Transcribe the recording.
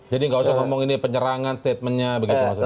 jadi nggak usah ngomong ini penyerangan statementnya begitu maksudnya